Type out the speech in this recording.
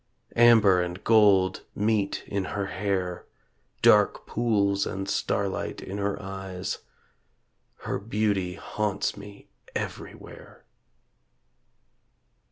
Amber and gold meet in her hair, Dark pools and starlight in her eyes; Her beauty haunts me everywhere.